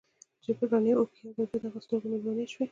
رڼې اوښکې يو ځل بيا د هغې د سترګو مېلمنې شوې.